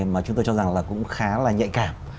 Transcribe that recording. mà chúng tôi cho rằng là cũng khá là nhạy cảm